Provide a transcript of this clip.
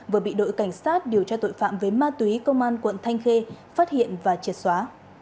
vừa bị đội cảnh sát điều tra tội phạm về ma túy công an quận thanh khê phát hiện và triệt xóa